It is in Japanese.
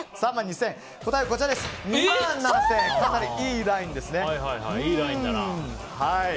かなり、いいラインですね。